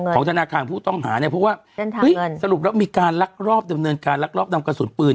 ของธนาคารผู้ต้องหาสรุปแล้วมีการรักรอบดำเนินการรักรอบดำกลางศูนย์ปื้น